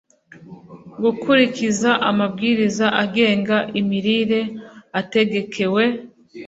gukurikiza amabwiriza agenga imirire ategekewe